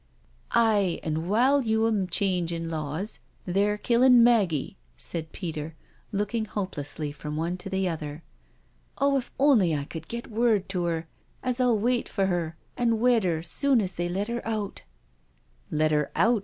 " Aye, an* while you'm changin' laws, they're killin' Maggie," said Peter, looking hopelessly from one to the other: " oh, if only I cud get word to 'er as I'll wait for 'er an' wed 'er sune as they let 'er out I" "Let her out?"